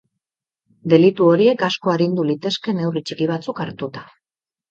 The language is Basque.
Delitu horiek asko arindu litezke neurri txiki batzuk hartuta.